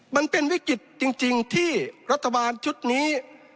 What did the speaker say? มันเป็นวิกฤตจริงที่รัฐบาลชุดนี้